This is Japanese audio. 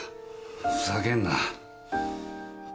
ふざけんな。